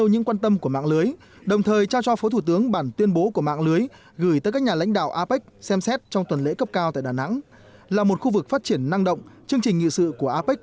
những quan tâm của mạng lưới cũng nằm trong những nội dung ưu tiên của apec